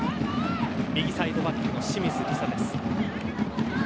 右サイドバックの清水梨紗です。